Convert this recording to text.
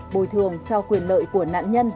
bồi thường cho quyền lợi của nạn nhân